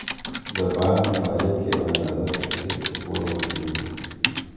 د بانک مالک یوه اندازه پیسې په پور ورکوي